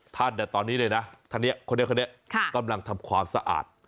ท่านตอนนี้เลยนะท่านนี้คนนี้กำลังทำความสะอาด